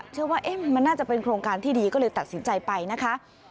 เชื่อว่ามันน่าจะเป็นโครงการที่ดีก็เลยตัดสินใจไปนะคะ